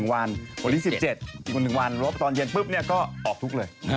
วันที่๑๗อีกวันถึงวันแล้วตอนเย็นปุ๊บนี่ก็ออกทุกเลย